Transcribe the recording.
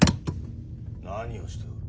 何をしておる？